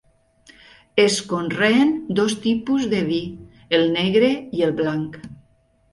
Es conreen dos tipus de vi, el negre i el blanc.